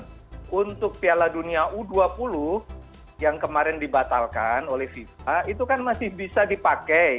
jadi untuk piala dunia u dua puluh yang kemarin dibatalkan oleh fifa itu kan masih bisa dipakai